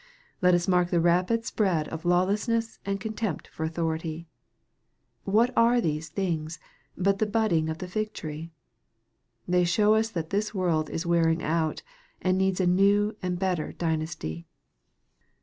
Let us mark the rapid spread of lawlessness and contempt for authority What are these things but the budding of the fig tree ? They show us that this world is wearing out, and needs a new and better dynasty.